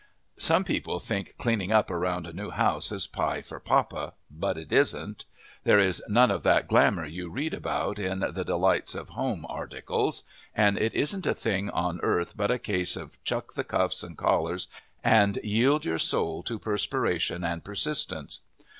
Some people think cleaning up around a new house is pie for papa, but it isn't. There is none of that glamour you read about in "The Delights of Home" articles, and it isn't a thing on earth but a case of chuck the cuffs and collars and yield your soul to perspiration and persistence.